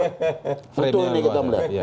betul ini kita melihat